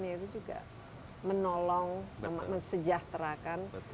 yaitu juga menolong mesejahterakan